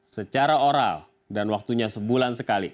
secara oral dan waktunya sebulan sekali